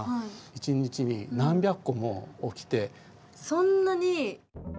そんなに！？